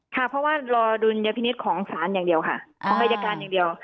ค่ะเพราะว่ารอดุลยพินิษฐ์ของศาลอย่างเดียวค่ะของอายการอย่างเดียว